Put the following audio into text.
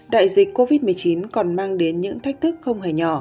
đại dịch covid một mươi chín còn mang đến những thách thức không hề nhỏ